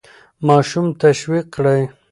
ماشوم تشویق کړئ.